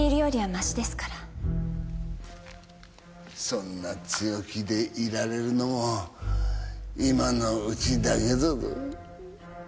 そんな強気でいられるのも今のうちだけだぞ？